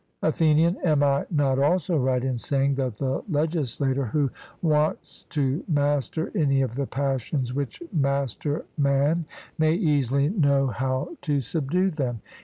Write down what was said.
ATHENIAN: Am I not also right in saying that the legislator who wants to master any of the passions which master man may easily know how to subdue them?